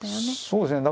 そうですね。